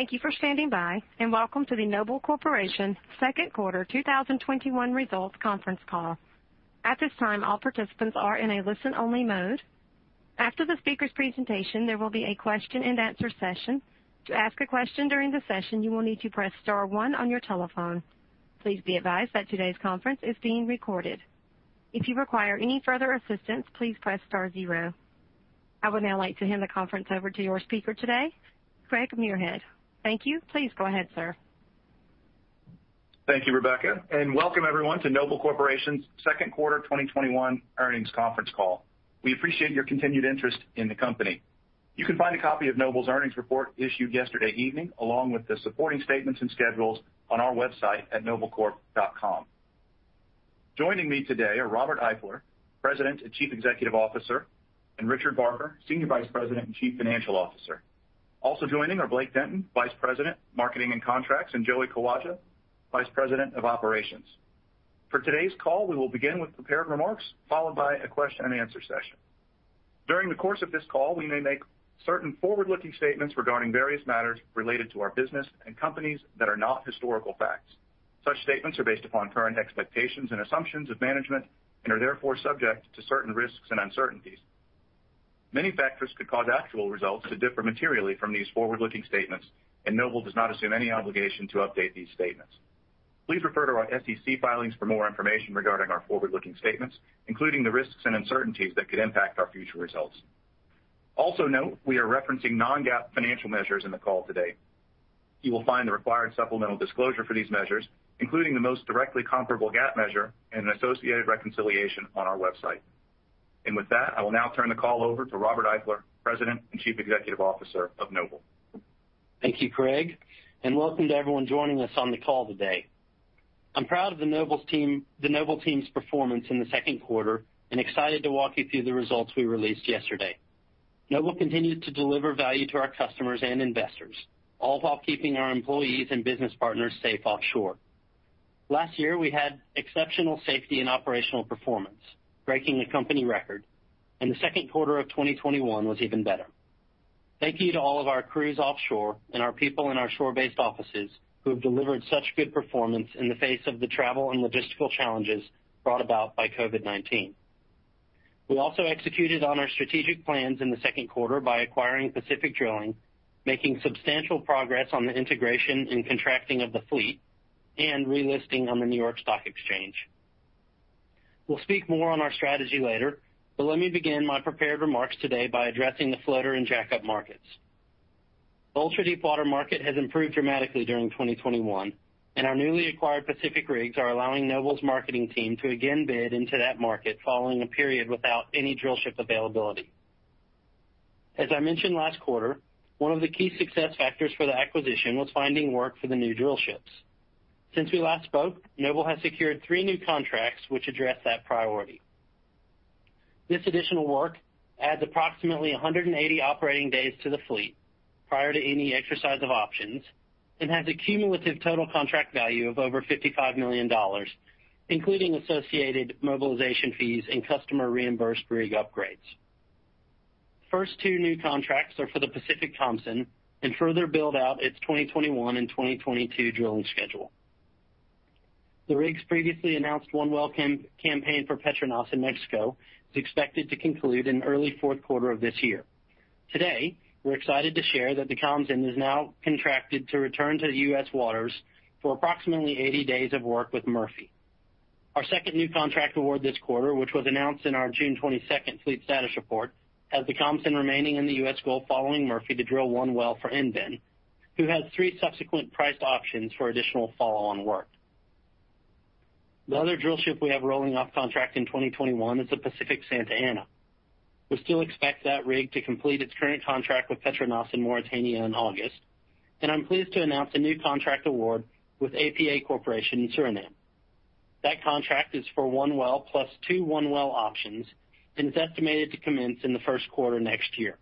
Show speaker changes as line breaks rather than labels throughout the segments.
Thank you for standing by, and welcome to the Noble Corporation Second Quarter 2021 Results Conference Call. At this time, all participants are in a listen-only mode. After the speaker's presentation, there will be a question and answer session. Please be advised that today's conference is being recorded. I would now like to hand the conference over to your speaker today, Craig Muirhead. Thank you. Please go ahead, sir.
Thank you, Rebecca, and welcome everyone to Noble Corporation's Second Quarter 2021 Earnings Conference Call. We appreciate your continued interest in the company. You can find a copy of Noble's earnings report issued yesterday evening, along with the supporting statements and schedules on our website at noblecorp.com. Joining me today are Robert Eifler, President and Chief Executive Officer, and Richard Barker, Senior Vice President and Chief Financial Officer. Also joining are Blake Denton, Vice President, Marketing and Contracts, and Joey M. Kawaja, Vice President of Operations. For today's call, we will begin with prepared remarks, followed by a question and answer session. During the course of this call, we may make certain forward-looking statements regarding various matters related to our business and companies that are not historical facts. Such statements are based upon current expectations and assumptions of management and are therefore subject to certain risks and uncertainties. Many factors could cause actual results to differ materially from these forward-looking statements. Noble does not assume any obligation to update these statements. Please refer to our SEC filings for more information regarding our forward-looking statements, including the risks and uncertainties that could impact our future results. Also note, we are referencing non-GAAP financial measures in the call today. You will find the required supplemental disclosure for these measures, including the most directly comparable GAAP measure and an associated reconciliation on our website. With that, I will now turn the call over to Robert Eifler, President and Chief Executive Officer of Noble.
Thank you, Craig, and welcome to everyone joining us on the call today. I'm proud of the Noble Corporation's performance in the second quarter and excited to walk you through the results we released yesterday. Noble Corporation continues to deliver value to our customers and investors, all while keeping our employees and business partners safe offshore. Last year, we had exceptional safety and operational performance, breaking the company record, and the second quarter of 2021 was even better. Thank you to all of our crews offshore and our people in our shore-based offices who have delivered such good performance in the face of the travel and logistical challenges brought about by COVID-19. We also executed on our strategic plans in the second quarter by acquiring Pacific Drilling, making substantial progress on the integration and contracting of the fleet, and relisting on the New York Stock Exchange. We'll speak more on our strategy later. Let me begin my prepared remarks today by addressing the floater and jack-up markets. The ultra-deepwater market has improved dramatically during 2021, and our newly acquired Pacific rigs are allowing Noble's marketing team to again bid into that market following a period without any drillship availability. As I mentioned last quarter, one of the key success factors for the acquisition was finding work for the new drillships. Since we last spoke, Noble has secured three new contracts which address that priority. This additional work adds approximately 180 operating days to the fleet prior to any exercise of options and has a cumulative total contract value of over $55 million, including associated mobilization fees and customer-reimbursed rig upgrades. The first two new contracts are for the Pacific Thompson and further build out its 2021 and 2022 drilling schedule. The rig's previously announced one well campaign for Petronas in Mexico is expected to conclude in early fourth quarter of this year. Today, we're excited to share that the Thompson is now contracted to return to the U.S. waters for approximately 80 days of work with Murphy. Our second new contract award this quarter, which was announced in our June 22nd fleet status report, has the Thompson remaining in the U.S. Gulf following Murphy to drill one well for EnVen, who has three subsequent priced options for additional follow-on work. The other drillship we have rolling off contract in 2021 is the Pacific Santa Ana. We still expect that rig to complete its current contract with Petronas in Mauritania in August. I'm pleased to announce a new contract award with APA Corporation in Suriname. That contract is for one well plus two one-well options and is estimated to commence in the first quarter next year.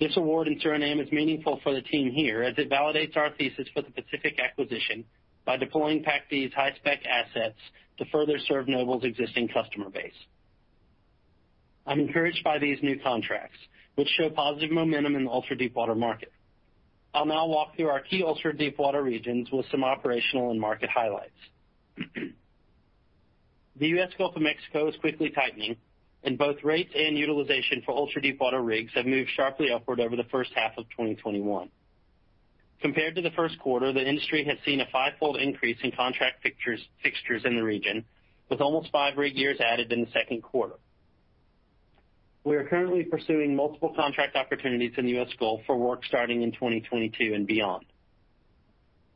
This award in Suriname is meaningful for the team here as it validates our thesis for the Pacific acquisition by deploying PacD's high-spec assets to further serve Noble's existing customer base. I'm encouraged by these new contracts, which show positive momentum in the ultra-deepwater market. I'll now walk through our key ultra-deepwater regions with some operational and market highlights. The U.S. Gulf of Mexico is quickly tightening, and both rates and utilization for ultra-deepwater rigs have moved sharply upward over the first half of 2021. Compared to the first quarter, the industry has seen a five-fold increase in contract fixtures in the region, with almost five rig years added in the second quarter. We are currently pursuing multiple contract opportunities in the U.S. Gulf for work starting in 2022 and beyond.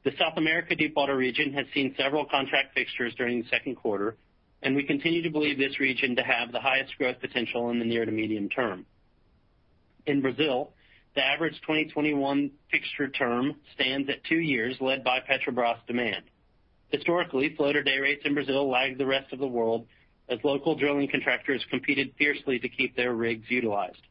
The South America deepwater region has seen several contract fixtures during the second quarter, and we continue to believe this region to have the highest growth potential in the near to medium term. In Brazil, the average 2021 fixture term stands at two years, led by Petrobras demand. Historically, floater day rates in Brazil lagged the rest of the world as local drilling contractors competed fiercely to keep their rigs utilized.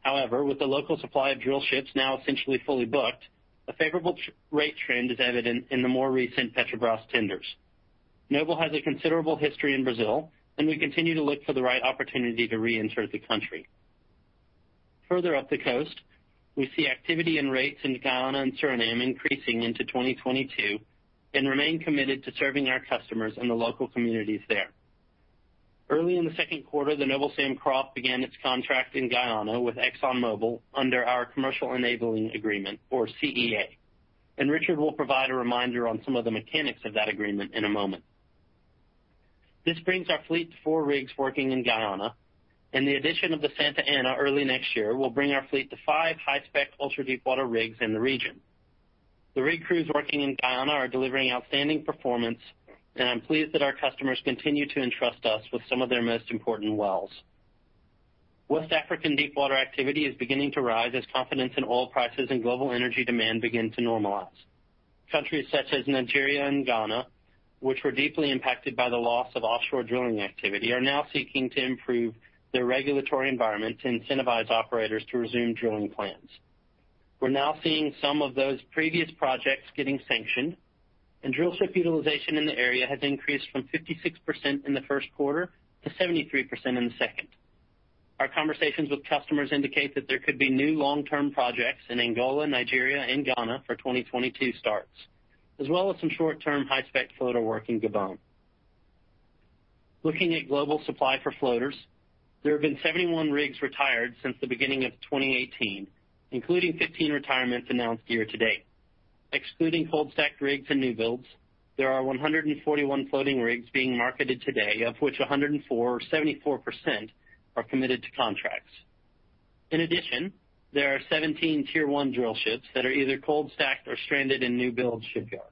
However, with the local supply of drill ships now essentially fully booked, a favorable rate trend is evident in the more recent Petrobras tenders. Noble has a considerable history in Brazil, and we continue to look for the right opportunity to reenter the country. Further up the coast, we see activity and rates in Guyana and Suriname increasing into 2022 and remain committed to serving our customers in the local communities there. Early in the second quarter, the Noble Sam Croft began its contract in Guyana with ExxonMobil under our commercial enabling agreement or CEA. Richard will provide a reminder on some of the mechanics of that agreement in a moment. This brings our fleet to four rigs working in Guyana. The addition of the Pacific Santa Ana early next year will bring our fleet to five high-spec, ultra-deepwater rigs in the region. The rig crews working in Guyana are delivering outstanding performance. I'm pleased that our customers continue to entrust us with some of their most important wells. West African deepwater activity is beginning to rise as confidence in oil prices and global energy demand begin to normalize. Countries such as Nigeria and Ghana, which were deeply impacted by the loss of offshore drilling activity, are now seeking to improve their regulatory environment to incentivize operators to resume drilling plans. We're now seeing some of those previous projects getting sanctioned, and drillship utilization in the area has increased from 56% in the first quarter to 73% in the second. Our conversations with customers indicate that there could be new long-term projects in Angola, Nigeria, and Ghana for 2022 starts, as well as some short-term high-spec floater work in Gabon. Looking at global supply for floaters, there have been 71 rigs retired since the beginning of 2018, including 15 retirements announced year-to-date. Excluding cold-stacked rigs and new builds, there are 141 floating rigs being marketed today, of which 104 or 74% are committed to contracts. In addition, there are 17 Tier 1 drillships that are either cold stacked or stranded in new build shipyards.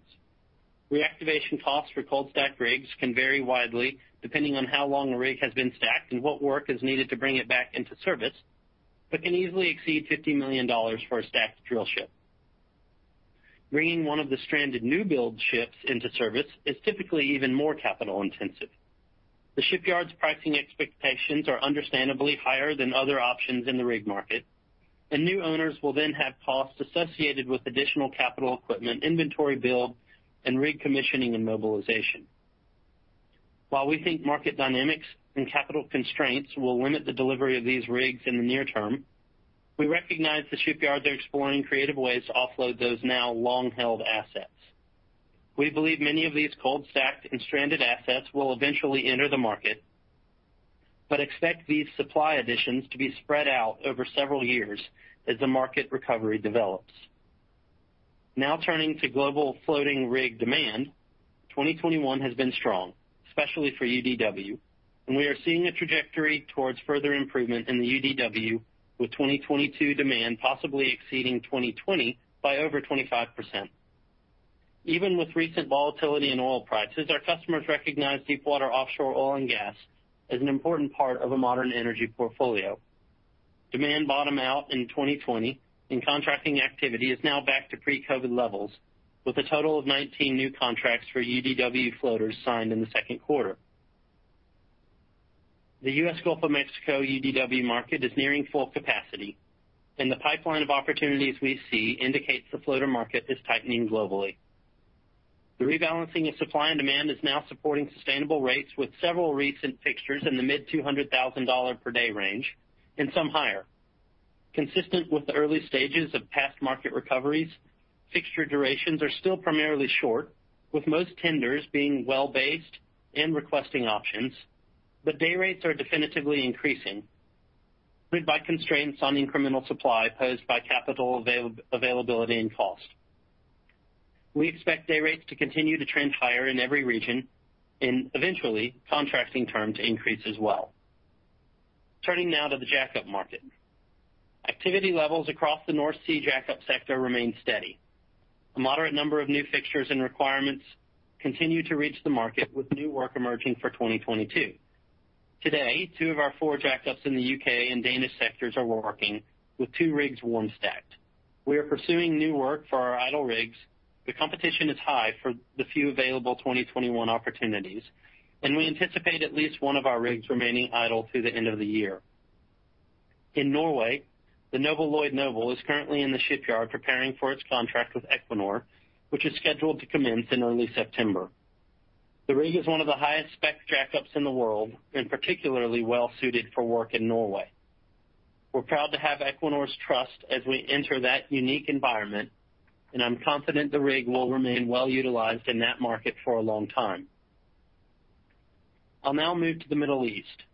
Reactivation costs for cold stacked rigs can vary widely depending on how long a rig has been stacked and what work is needed to bring it back into service, but can easily exceed $50 million for a stacked drillship. Bringing one of the stranded new build ships into service is typically even more capital-intensive. The shipyard's pricing expectations are understandably higher than other options in the rig market, and new owners will then have costs associated with additional capital equipment, inventory build, and rig commissioning and mobilization. While we think market dynamics and capital constraints will limit the delivery of these rigs in the near term, we recognize the shipyards are exploring creative ways to offload those now long-held assets. We believe many of these cold-stacked and stranded assets will eventually enter the market. Expect these supply additions to be spread out over several years as the market recovery develops. Turning to global floating rig demand. 2021 has been strong, especially for UDW. We are seeing a trajectory towards further improvement in the UDW with 2022 demand possibly exceeding 2020 by over 25%. Even with recent volatility in oil prices, our customers recognize deepwater offshore oil and gas as an important part of a modern energy portfolio. Demand bottomed out in 2020. Contracting activity is now back to pre-COVID levels, with a total of 19 new contracts for UDW floaters signed in the second quarter. The U.S. Gulf of Mexico UDW market is nearing full capacity. The pipeline of opportunities we see indicates the floater market is tightening globally. The rebalancing of supply and demand is now supporting sustainable rates, with several recent fixtures in the mid-$200,000 per day range and some higher. Consistent with the early stages of past market recoveries, fixture durations are still primarily short, with most tenders being well-based and requesting options, but day rates are definitively increasing, led by constraints on incremental supply posed by capital availability and cost. We expect day rates to continue to trend higher in every region, and eventually, contracting terms to increase as well. Turning now to the jack-up market. Activity levels across the North Sea jack-up sector remain steady. A moderate number of new fixtures and requirements continue to reach the market, with new work emerging for 2022. Today, two of our four jack-ups in the U.K. and Danish sectors are working, with two rigs warm stacked. We are pursuing new work for our idle rigs. The competition is high for the few available 2021 opportunities, and we anticipate at least one of our rigs remaining idle through the end of the year. In Norway, the Noble Lloyd Noble is currently in the shipyard preparing for its contract with Equinor, which is scheduled to commence in early September. The rig is one of the highest spec jack-ups in the world and particularly well-suited for work in Norway. We're proud to have Equinor's trust as we enter that unique environment, and I'm confident the rig will remain well-utilized in that market for a long time. I'll now move to the Middle East.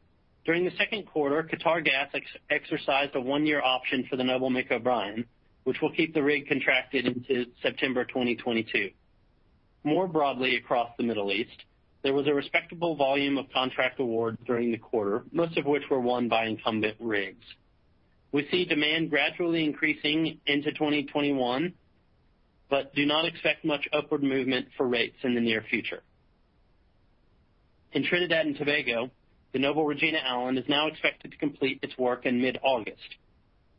During the second quarter, Qatargas exercised a one-year option for the Noble Mick O'Brien, which will keep the rig contracted into September 2022. More broadly across the Middle East, there was a respectable volume of contract awards during the quarter, most of which were won by incumbent rigs. We see demand gradually increasing into 2021, but do not expect much upward movement for rates in the near future. In Trinidad and Tobago, the Noble Regina Allen is now expected to complete its work in mid-August.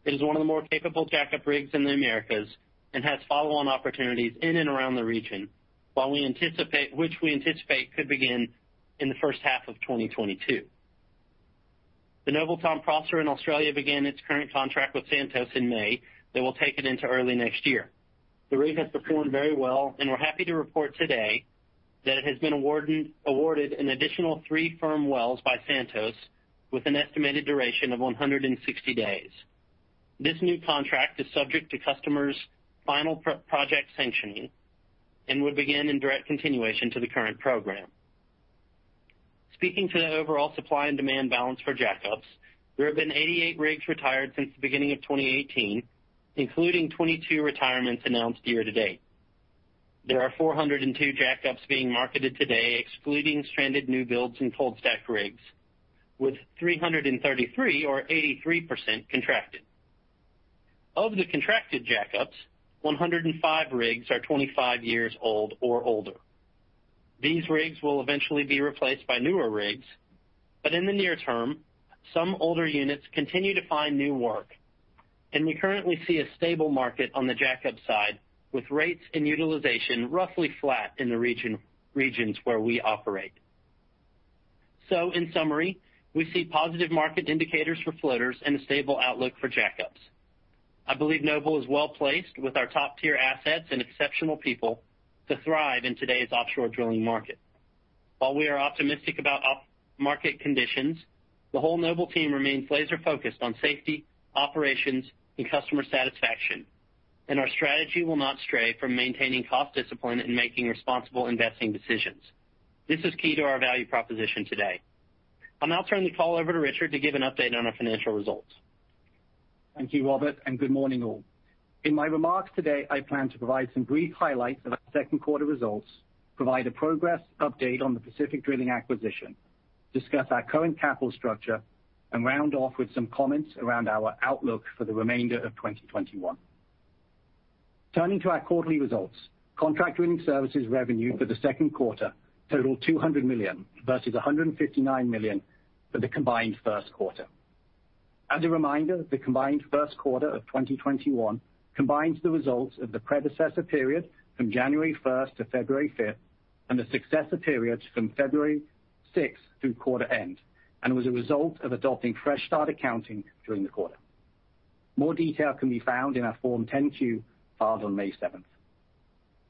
It is one of the more capable jack-up rigs in the Americas and has follow-on opportunities in and around the region, which we anticipate could begin in the first half of 2022. The Noble Tom Prosser in Australia began its current contract with Santos in May that will take it into early next year. The rig has performed very well, and we're happy to report today that it has been awarded an additional three firm wells by Santos with an estimated duration of 160 days. This new contract is subject to customer's final project sanctioning and would begin in direct continuation to the current program. Speaking to the overall supply and demand balance for jackups, there have been 88 rigs retired since the beginning of 2018, including 22 retirements announced year-to-date. There are 402 jackups being marketed today, excluding stranded new builds and cold stacked rigs, with 333 or 83% contracted. Of the contracted jackups, 105 rigs are 25 years old or older. These rigs will eventually be replaced by newer rigs. In the near term, some older units continue to find new work. We currently see a stable market on the jackup side, with rates and utilization roughly flat in the regions where we operate. In summary, we see positive market indicators for floaters and a stable outlook for jackups. I believe Noble is well-placed with our top-tier assets and exceptional people to thrive in today's offshore drilling market. While we are optimistic about market conditions, the whole Noble team remains laser-focused on safety, operations, and customer satisfaction, and our strategy will not stray from maintaining cost discipline and making responsible investing decisions. This is key to our value proposition today. I'll now turn the call over to Richard to give an update on our financial results.
Thank you, Robert. Good morning all. In my remarks today, I plan to provide some brief highlights of our second quarter results, provide a progress update on the Pacific Drilling acquisition, discuss our current capital structure, and round off with some comments around our outlook for the remainder of 2021. Turning to our quarterly results, contract drilling services revenue for the second quarter totaled $200 million, versus $159 million for the combined first quarter. As a reminder, the combined first quarter of 2021 combines the results of the predecessor period from January 1st to February 5th, and the successor period from February 6th through quarter end, and was a result of adopting fresh start accounting during the quarter. More detail can be found in our Form 10-Q filed on May 7th.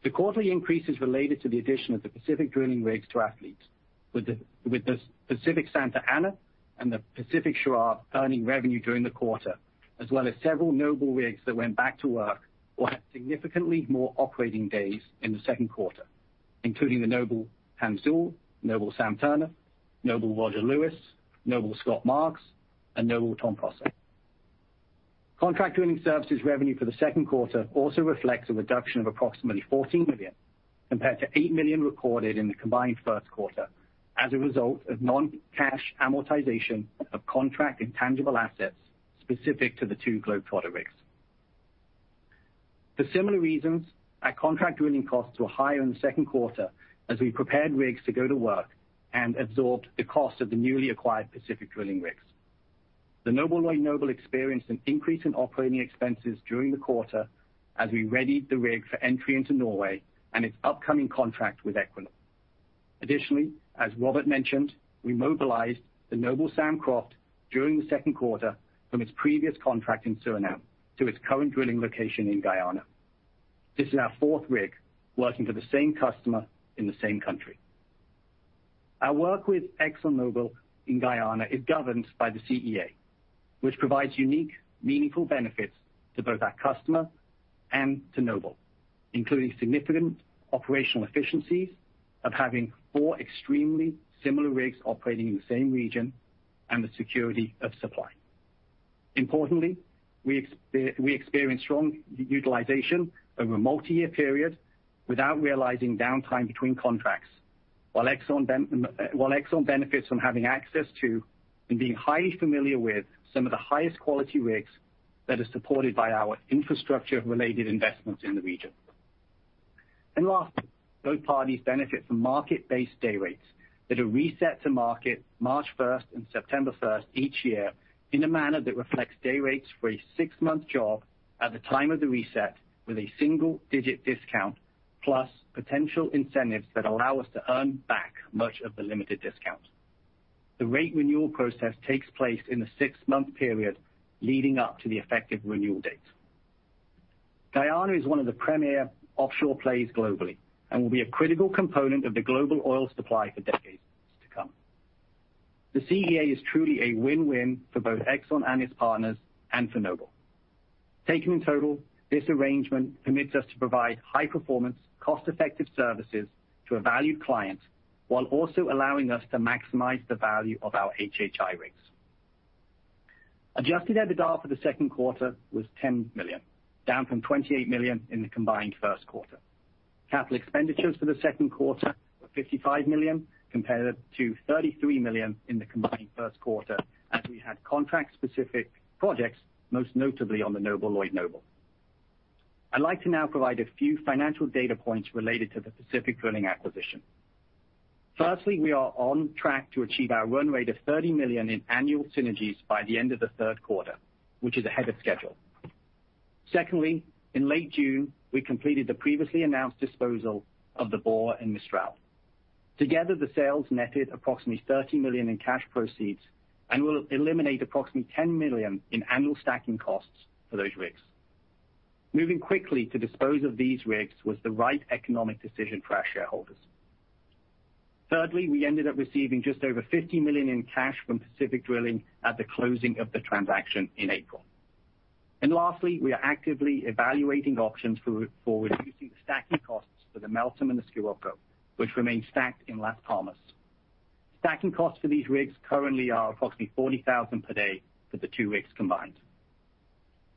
The quarterly increase is related to the addition of the Pacific Drilling rigs to our fleet, with the Pacific Santa Ana and the Pacific Sharav earning revenue during the quarter, as well as several Noble rigs that went back to work or had significantly more operating days in the second quarter, including the Noble Hans Deul, Noble Sam Turner, Noble Roger Lewis, Noble Scott Marks, and Noble Tom Prosser. Contract drilling services revenue for the second quarter also reflects a reduction of approximately $14 million compared to $8 million recorded in the combined first quarter as a result of non-cash amortization of contract intangible assets specific to the two Globetrotter rigs. For similar reasons, our contract drilling costs were higher in the second quarter as we prepared rigs to go to work and absorbed the cost of the newly acquired Pacific Drilling rigs. The Noble Lloyd Noble experienced an increase in operating expenses during the quarter as we readied the rig for entry into Norway and its upcoming contract with Equinor. Additionally, as Robert mentioned, we mobilized the Noble Sam Croft during the second quarter from its previous contract in Suriname to its current drilling location in Guyana. This is our fourth rig working for the same customer in the same country. Our work with ExxonMobil in Guyana is governed by the CEA, which provides unique, meaningful benefits to both our customer and to Noble, including significant operational efficiencies of having four extremely similar rigs operating in the same region and the security of supply. Importantly, we experience strong utilization over a multi-year period without realizing downtime between contracts, while ExxonMobil benefits from having access to and being highly familiar with some of the highest quality rigs that are supported by our infrastructure-related investments in the region. Last, both parties benefit from market-based day rates that are reset to market March 1st and September 1st each year in a manner that reflects day rates for a six-month job at the time of the reset with a single-digit discount, plus potential incentives that allow us to earn back much of the limited discount. The rate renewal process takes place in the six-month period leading up to the effective renewal date. Guyana is one of the premier offshore plays globally and will be a critical component of the global oil supply for decades to come. The CEA is truly a win-win for both Exxon and its partners, and for Noble. Taken in total, this arrangement permits us to provide high-performance, cost-effective services to a valued client while also allowing us to maximize the value of our HHI rigs. Adjusted EBITDA for the second quarter was $10 million, down from $28 million in the combined first quarter. Capital expenditures for the second quarter were $55 million compared to $33 million in the combined first quarter as we had contract-specific projects, most notably on the Noble Lloyd Noble. I'd like to now provide a few financial data points related to the Pacific Drilling acquisition. Firstly, we are on track to achieve our run rate of $30 million in annual synergies by the end of the third quarter, which is ahead of schedule. Secondly, in late June, we completed the previously announced disposal of the Bora and Mistral. Together, the sales netted approximately $30 million in cash proceeds and will eliminate approximately $10 million in annual stacking costs for those rigs. Moving quickly to dispose of these rigs was the right economic decision for our shareholders. Thirdly, we ended up receiving just over $50 million in cash from Pacific Drilling at the closing of the transaction in April. Lastly, we are actively evaluating options for reducing the stacking costs for the Meltem and the Scirocco, which remain stacked in Las Palmas. Stacking costs for these rigs currently are approximately $40,000 per day for the two rigs combined.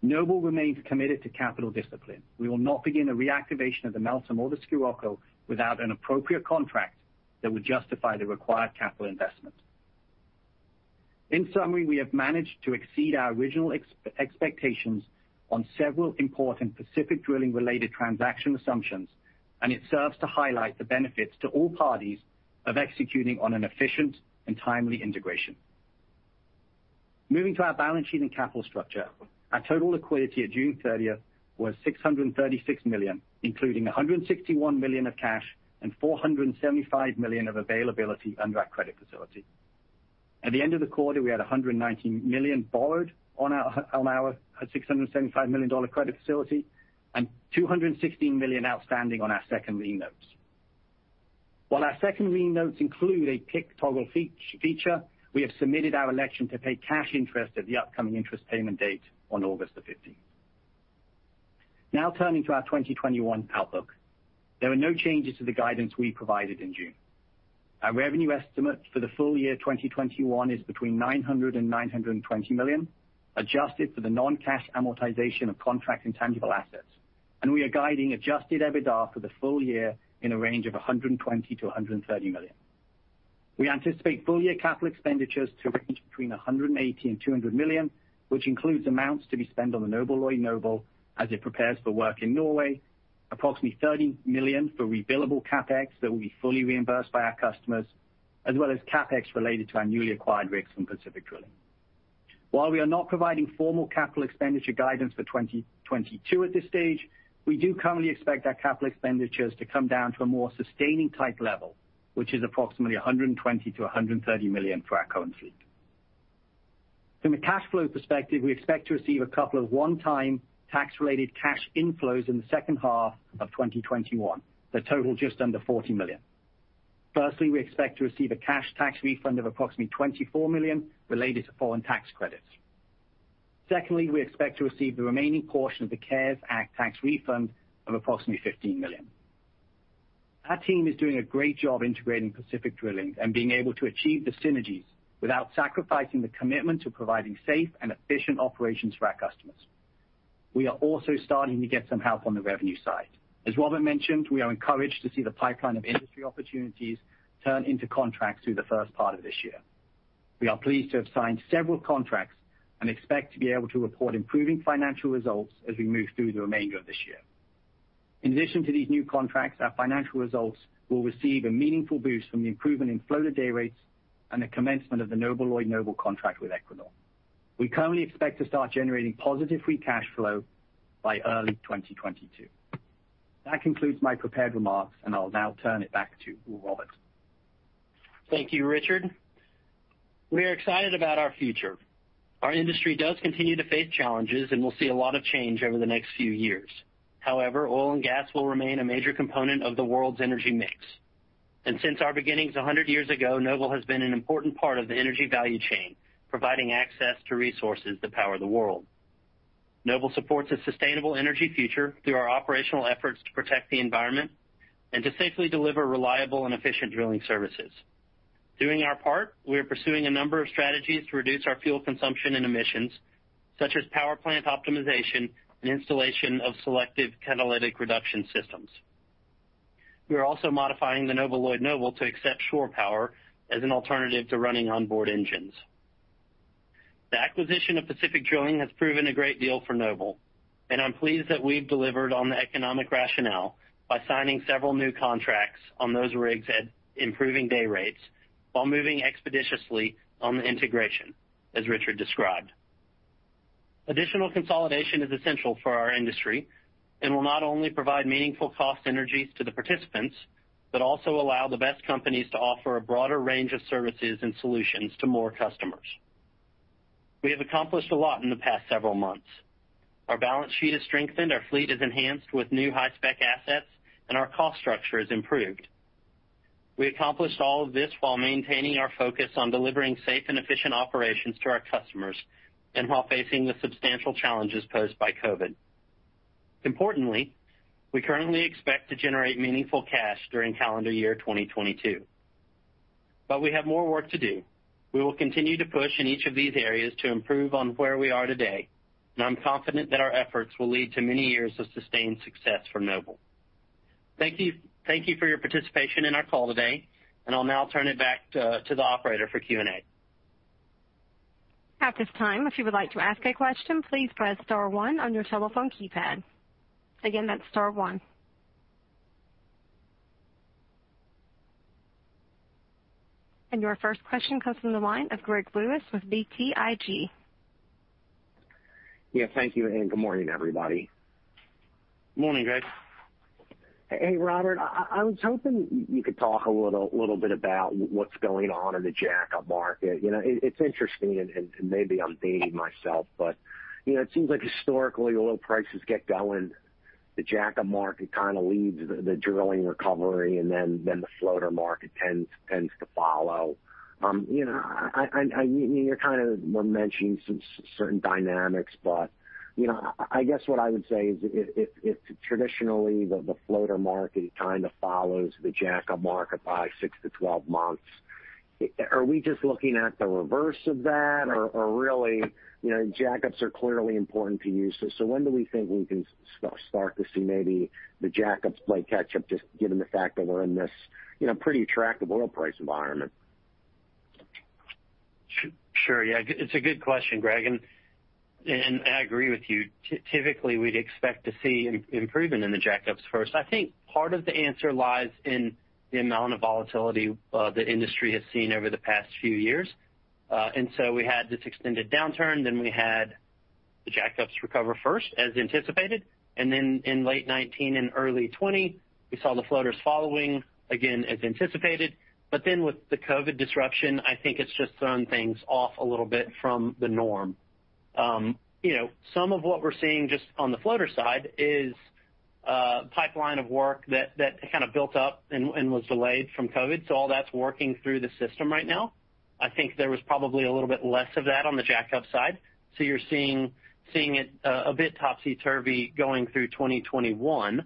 Noble remains committed to capital discipline. We will not begin a reactivation of the Meltem or the Scirocco without an appropriate contract that would justify the required capital investment. In summary, we have managed to exceed our original expectations on several important Pacific Drilling-related transaction assumptions, and it serves to highlight the benefits to all parties of executing on an efficient and timely integration. Moving to our balance sheet and capital structure, our total liquidity at June 30th was $636 million, including $161 million of cash and $475 million of availability under our credit facility. At the end of the quarter, we had $119 million borrowed on our $675 million credit facility and $216 million outstanding on our second lien notes. While our second lien notes include a PIK toggle feature, we have submitted our election to pay cash interest at the upcoming interest payment date on August the 15th. Turning to our 2021 outlook. There are no changes to the guidance we provided in June. Our revenue estimate for the full year 2021 is between $900 million and $920 million, adjusted for the non-cash amortization of contract intangible assets, and we are guiding Adjusted EBITDA for the full year in a range of $120 million-$130 million. We anticipate full-year capital expenditures to range between $180 million and $200 million, which includes amounts to be spent on the Noble Lloyd Noble as it prepares for work in Norway, approximately $30 million for rebillable CapEx that will be fully reimbursed by our customers, as well as CapEx related to our newly acquired rigs from Pacific Drilling. While we are not providing formal capital expenditure guidance for 2022 at this stage, we do currently expect our capital expenditures to come down to a more sustaining type level, which is approximately $120 million-$130 million for our current fleet. From a cash flow perspective, we expect to receive a couple of one-time tax-related cash inflows in the second half of 2021 that total just under $40 million. Firstly, we expect to receive a cash tax refund of approximately $24 million related to foreign tax credits. Secondly, we expect to receive the remaining portion of the CARES Act tax refund of approximately $15 million. Our team is doing a great job integrating Pacific Drilling and being able to achieve the synergies without sacrificing the commitment to providing safe and efficient operations for our customers. As Robert mentioned, we are encouraged to see the pipeline of industry opportunities turn into contracts through the first part of this year. We are pleased to have signed several contracts and expect to be able to report improving financial results as we move through the remainder of this year. In addition to these new contracts, our financial results will receive a meaningful boost from the improvement in floater day rates and the commencement of the Noble Lloyd Noble contract with Equinor. We currently expect to start generating positive free cash flow by early 2022. That concludes my prepared remarks, and I'll now turn it back to Robert.
Thank you, Richard. We are excited about our future. Our industry does continue to face challenges, and we'll see a lot of change over the next few years. However, oil and gas will remain a major component of the world's energy mix. Since our beginnings 100 years ago, Noble has been an important part of the energy value chain, providing access to resources that power the world. Noble supports a sustainable energy future through our operational efforts to protect the environment and to safely deliver reliable and efficient drilling services. Doing our part, we are pursuing a number of strategies to reduce our fuel consumption and emissions, such as power plant optimization and installation of selective catalytic reduction systems. We are also modifying the Noble Lloyd Noble to accept shore power as an alternative to running onboard engines. The acquisition of Pacific Drilling has proven a great deal for Noble, and I'm pleased that we've delivered on the economic rationale by signing several new contracts on those rigs at improving day rates while moving expeditiously on the integration, as Richard described. Additional consolidation is essential for our industry and will not only provide meaningful cost synergies to the participants but also allow the best companies to offer a broader range of services and solutions to more customers. We have accomplished a lot in the past several months. Our balance sheet has strengthened, our fleet is enhanced with new high-spec assets, and our cost structure has improved. We accomplished all of this while maintaining our focus on delivering safe and efficient operations to our customers and while facing the substantial challenges posed by COVID. Importantly, we currently expect to generate meaningful cash during calendar year 2022. We have more work to do. We will continue to push in each of these areas to improve on where we are today, and I'm confident that our efforts will lead to many years of sustained success for Noble. Thank you for your participation in our call today, and I'll now turn it back to the operator for Q&A.
Your first question comes from the line of Greg Lewis with BTIG.
Yeah. Thank you, and good morning, everybody.
Morning, Greg.
Hey, Robert, I was hoping you could talk a little bit about what's going on in the jackup market. It's interesting. Maybe I'm dating myself, it seems like historically, oil prices get going, the jackup market kind of leads the drilling recovery. Then the floater market tends to follow. You were mentioning some certain dynamics. I guess what I would say is, traditionally, the floater market kind of follows the jackup market by 6-12 months. Are we just looking at the reverse of that?
Right.
Really, jackups are clearly important to you, so when do we think we can start to see maybe the jackups play catch up, just given the fact that we're in this pretty attractive oil price environment?
Sure. Yeah. It's a good question, Greg, and I agree with you. Typically, we'd expect to see an improvement in the jackups first. I think part of the answer lies in the amount of volatility the industry has seen over the past few years. We had this extended downturn, then we had the jackups recover first, as anticipated, and then in late 2019 and early 2020, we saw the floaters following, again as anticipated. With the COVID disruption, I think it's just thrown things off a little bit from the norm. Some of what we're seeing just on the floater side is a pipeline of work that kind of built up and was delayed from COVID. All that's working through the system right now. I think there was probably a little bit less of that on the jackup side. You're seeing it a bit topsy-turvy going through 2021.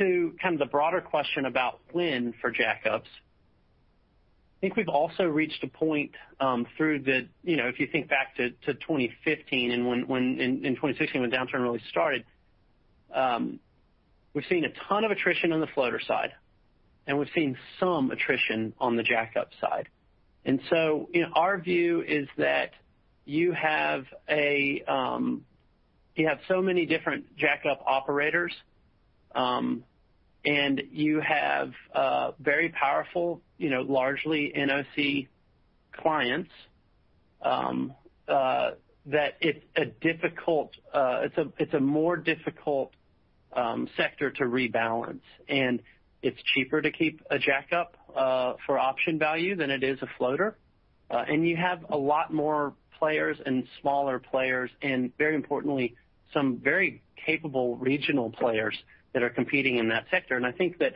To kind of the broader question about when for jackups, if you think back to 2015 and 2016, when the downturn really started, we've seen a ton of attrition on the floater side, and we've seen some attrition on the jackup side. Our view is that you have so many different jackup operators, and you have very powerful, largely NOC clients, that it's a more difficult sector to rebalance, and it's cheaper to keep a jackup for option value than it is a floater. You have a lot more players and smaller players and, very importantly, some very capable regional players that are competing in that sector. I think that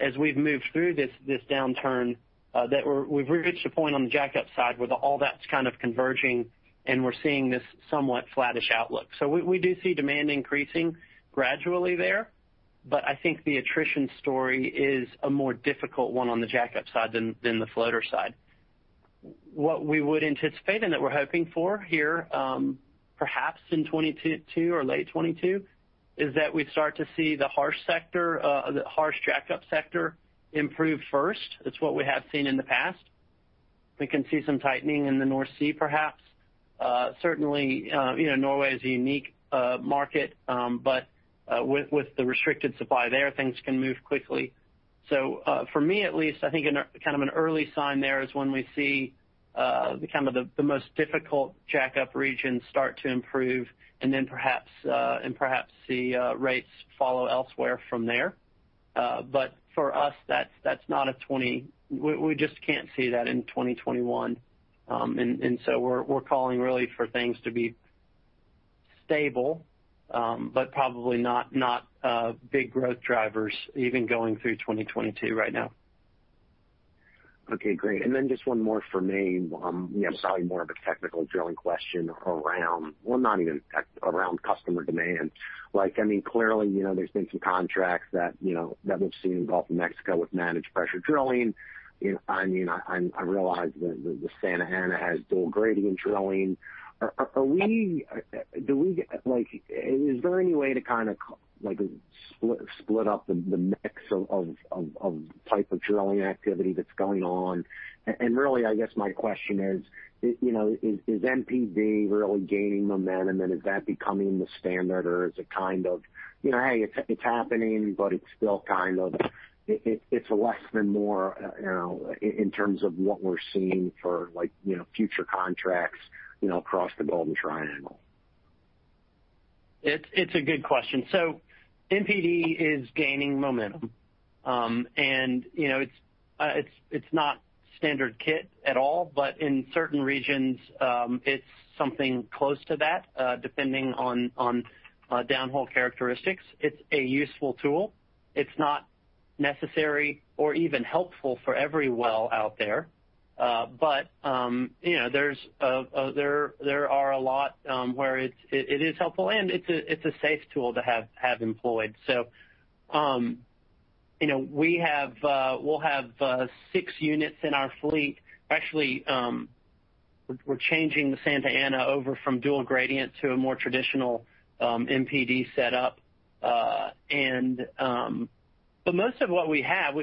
as we've moved through this downturn, that we've reached a point on the jack-up side where all that's kind of converging and we're seeing this somewhat flattish outlook. We do see demand increasing gradually there, but I think the attrition story is a more difficult one on the jack-up side than the floater side. What we would anticipate and that we're hoping for here, perhaps in 2022 or late 2022, is that we start to see the harsh jack-up sector improve first. It's what we have seen in the past. We can see some tightening in the North Sea, perhaps. Certainly, Norway is a unique market, but with the restricted supply there, things can move quickly. For me, at least, I think kind of an early sign there is when we see the most difficult jack-up regions start to improve, perhaps the rates follow elsewhere from there. For us, we just can't see that in 2021. We're calling really for things to be stable, but probably not big growth drivers even going through 2022 right now.
Okay, great. Just one more from me.
Yeah.
Probably more of a technical drilling question around customer demand. Clearly, there's been some contracts that we've seen in the Gulf of Mexico with managed pressure drilling. I realize that the Santa Anna has dual-gradient drilling. Is there any way to split up the mix of type of drilling activity that's going on? Really, I guess my question is MPD really gaining momentum, and is that becoming the standard? Is it kind of, hey, it's happening, but it's less than more in terms of what we're seeing for future contracts across the Golden Triangle?
It's a good question. MPD is gaining momentum. It's not standard kit at all, but in certain regions, it's something close to that, depending on downhole characteristics. It's a useful tool. It's not necessary or even helpful for every well out there. There are a lot where it is helpful, and it's a safe tool to have employed. We'll have six units in our fleet. Actually, we're changing the Santa Ana over from dual-gradient to a more traditional MPD setup. Most of what we have,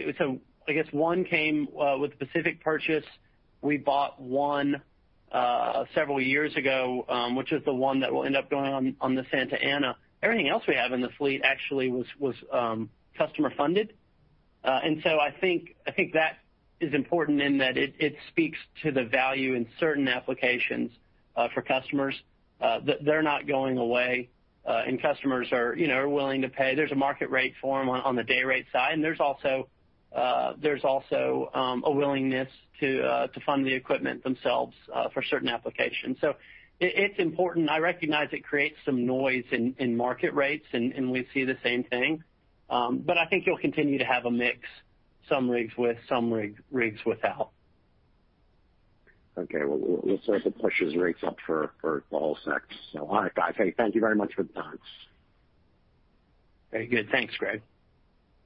we bought one several years ago, which is the one that will end up going on the Santa Ana. Everything else we have in the fleet actually was customer-funded. I think that is important in that it speaks to the value in certain applications for customers that they're not going away and customers are willing to pay. There's a market rate for them on the day rate side. There's also a willingness to fund the equipment themselves for certain applications. It's important. I recognize it creates some noise in market rates, and we see the same thing. I think you'll continue to have a mix, some rigs with, some rigs without.
Okay. Well, we'll see if it pushes rates up for the whole sector. All right, guys. Hey, thank you very much for the thoughts.
Very good. Thanks, Greg.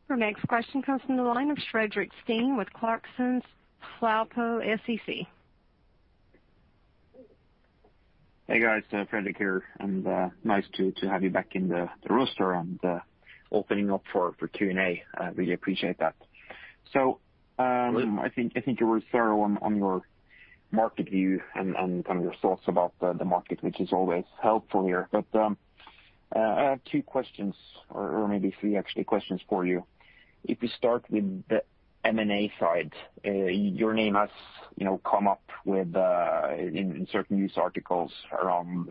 Our next question comes from the line of Fredrik Stene with Clarksons Platou Securities.
Hey, guys. Fredrik here, and nice to have you back in the rooster and opening up for Q&A. I really appreciate that.
Absolutely.
I think you were thorough on your market view and your thoughts about the market, which is always helpful here. I have two questions, or maybe three actually, questions for you. If we start with the M&A side. Your name has come up in certain news articles around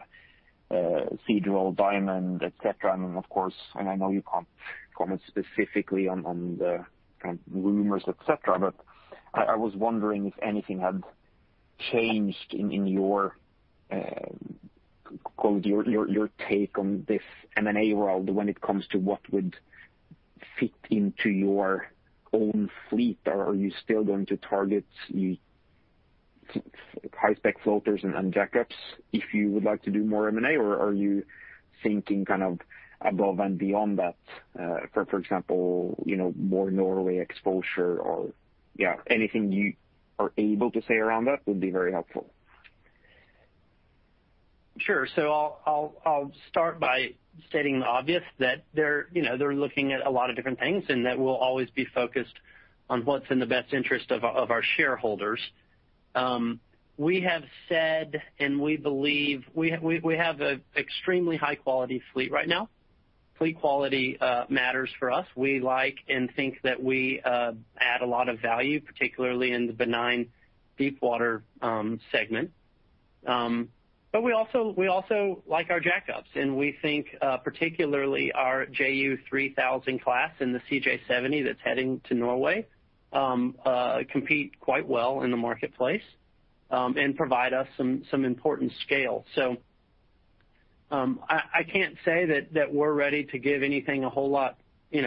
Seadrill, Diamond, et cetera. Of course, and I know you can't comment specifically on the kind of rumors, et cetera, but I was wondering if anything had changed in your take on this M&A world when it comes to what would fit into your own fleet? Are you still going to target high-spec floaters and jackups if you would like to do more M&A? Are you thinking kind of above and beyond that, for example, more Norway exposure or yeah, anything you are able to say around that would be very helpful.
Sure. I'll start by stating the obvious that they're looking at a lot of different things and that we'll always be focused on what's in the best interest of our shareholders. We have said, and we believe we have an extremely high-quality fleet right now. Fleet quality matters for us. We like and think that we add a lot of value, particularly in the benign deepwater segment. We also like our jackups, and we think particularly our JU-3000N class and the CJ70 that's heading to Norway compete quite well in the marketplace and provide us some important scale. I can't say that we're ready to give anything a whole lot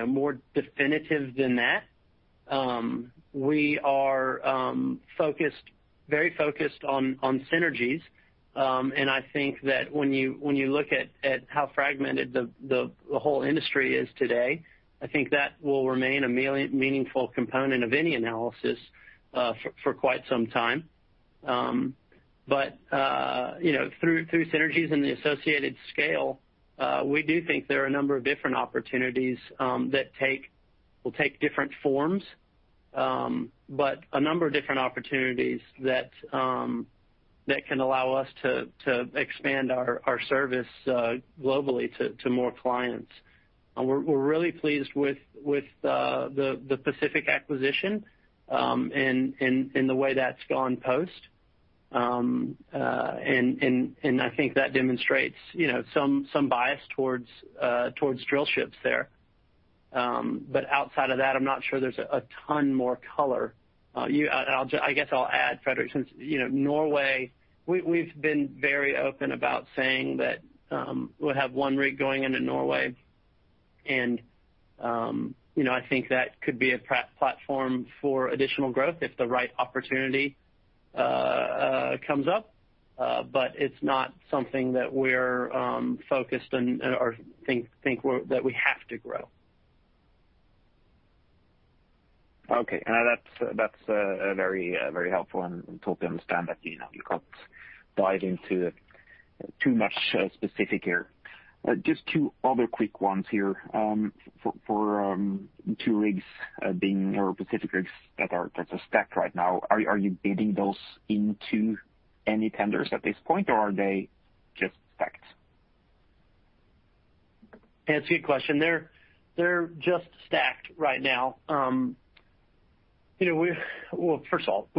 more definitive than that. We are very focused on synergies. I think that when you look at how fragmented the whole industry is today, I think that will remain a meaningful component of any analysis for quite some time. Through synergies and the associated scale, we do think there are a number of different opportunities that will take different forms. A number of different opportunities that can allow us to expand our service globally to more clients. We're really pleased with the Pacific acquisition and the way that's gone post. I think that demonstrates some bias towards drill ships there. Outside of that, I'm not sure there's a ton more color. I guess I'll add Fredrik, since Norway, we've been very open about saying that we'll have one rig going into Norway. I think that could be a platform for additional growth if the right opportunity comes up. It's not something that we're focused on or think that we have to grow.
Okay. That's very helpful and totally understand that you can't dive into too much specific here. Just two other quick ones here. For two rigs being, or Pacific rigs that are stacked right now, are you bidding those into any tenders at this point, or are they just stacked?
That's a good question. They're just stacked right now. Well, first of all,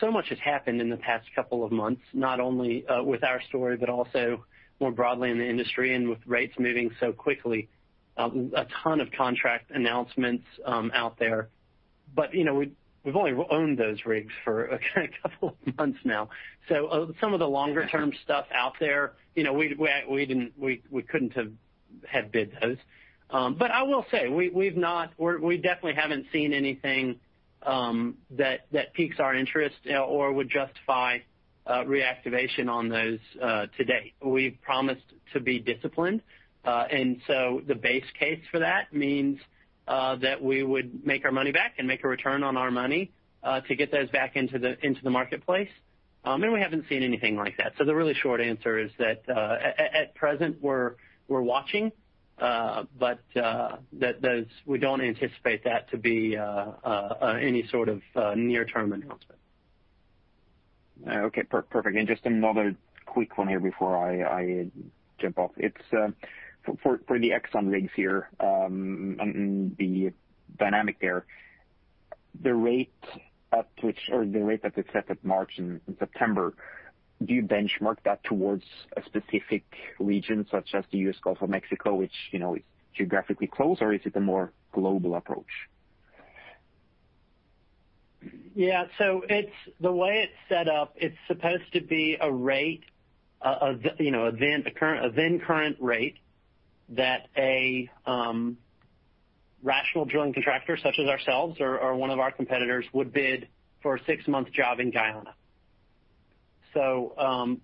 so much has happened in the past couple of months, not only with our story, but also more broadly in the industry and with rates moving so quickly. A ton of contract announcements out there. We've only owned those rigs for a couple of months now. Some of the longer-term stuff out there, we couldn't have bid those. I will say, we definitely haven't seen anything that piques our interest or would justify reactivation on those to date. We've promised to be disciplined. The base case for that means that we would make our money back and make a return on our money to get those back into the marketplace. We haven't seen anything like that. The really short answer is that at present, we're watching, but we don't anticipate that to be any sort of near-term announcement.
Okay, perfect. Just another quick one here before I jump off. For the Exxon rigs here, and the dynamic there, the rate that was set at March and September, do you benchmark that towards a specific region such as the U.S. Gulf of Mexico, which is geographically close, or is it a more global approach?
Yeah, the way it's set up, it's supposed to be a then current rate that a rational drilling contractor, such as ourselves or one of our competitors, would bid for a six-month job in Guyana.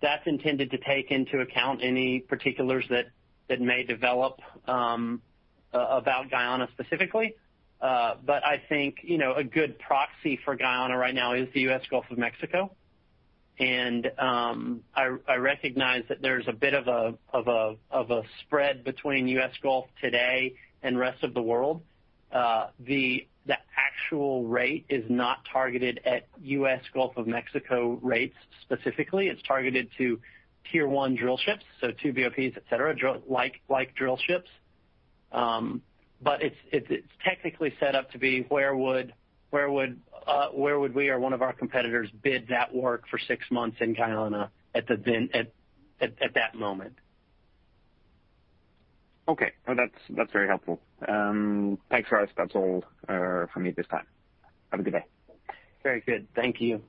That's intended to take into account any particulars that may develop about Guyana specifically. I think, a good proxy for Guyana right now is the U.S. Gulf of Mexico. I recognize that there's a bit of a spread between U.S. Gulf today and rest of the world. The actual rate is not targeted at U.S. Gulf of Mexico rates specifically. It's targeted to Tier 1 drill ships. Two BOPs, et cetera, like drill ships. It's technically set up to be where would we or one of our competitors bid that work for 6 months in Guyana at that moment.
Okay. No, that's very helpful. Thanks, Charles. That's all for me this time. Have a good day.
Very good. Thank you.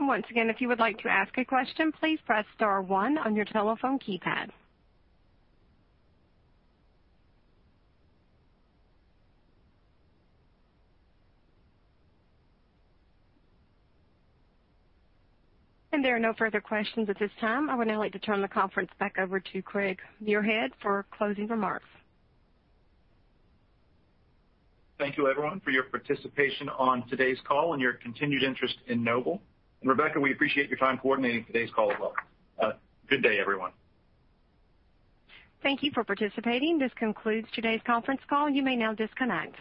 Once again, if you would like to ask a question, please press star one on your telephone keypad. There are no further questions at this time. I would now like to turn the conference back over to Craig Muirhead for closing remarks.
Thank you, everyone, for your participation on today's call and your continued interest in Noble. Rebecca, we appreciate your time coordinating today's call as well. Good day, everyone.
Thank you for participating. This concludes today's conference call. You may now disconnect.